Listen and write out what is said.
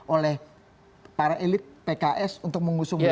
oleh para elit pks untuk mengusung ganjar